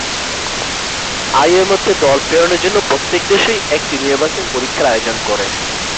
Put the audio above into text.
আইএমও-তে দল প্রেরণের জন্য প্রত্যেক দেশই একটি নির্বাচন পরীক্ষার আয়োজন করে।